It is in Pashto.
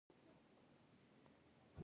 د تیلو پمپونه دقیق دي؟